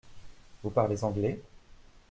Vous parlez anglais ?